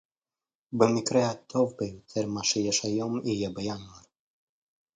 במקרה הטוב ביותר מה שיש היום יהיה בינואר